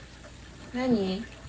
何？